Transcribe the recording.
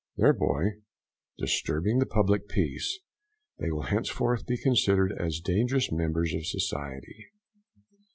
thereby disturbing the public peace, they will henceforth be considered as dangerous members of society.